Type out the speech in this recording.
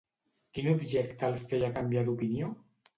Quin objecte el feia canviar d'opinió?